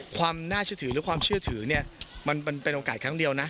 ความน่าเชื่อถือหรือความเชื่อถือเนี่ยมันเป็นโอกาสครั้งเดียวนะ